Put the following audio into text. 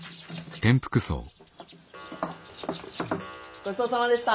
ごちそうさまでした。